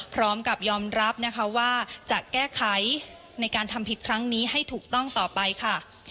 พร้อมกับยอมรับนะคะว่าจะแก้ไขในการทำผิดครั้งนี้ให้ถูกต้องต่อไปค่ะ